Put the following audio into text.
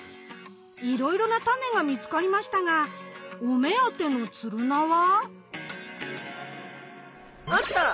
いろいろなタネが見つかりましたがお目当てのツルナは？あった！